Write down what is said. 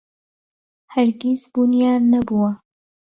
هەرگیز بوونیان نەبووە.